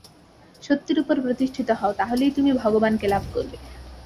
সত্যের উপর প্রতিষ্ঠিত হও, তা হলেই তুমি ভগবানকে লাভ করবে।